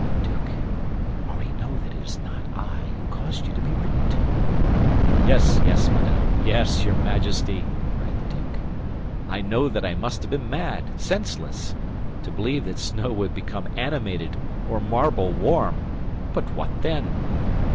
"Duke, you already know that it is not I who caused you to be written to." "Yes, yes, madame! Yes, your Majesty!" cried the duke. "I know that I must have been mad, senseless, to believe that snow would become animated or marble warm; but what then!